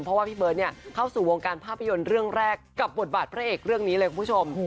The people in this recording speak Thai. เพราะว่าพี่เบิร์ตเข้าสู่วงการภาพยนตร์เรื่องแรกกับบทบาทพระเอกเรื่องนี้เลยคุณผู้ชม